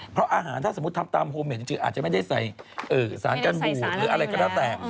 เพราะอาหารถ้าสมมุติทำตามโฮเมดจริงอาจจะไม่ได้ใส่สารกันบูดหรืออะไรก็แล้วแต่